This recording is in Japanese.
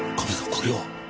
これは！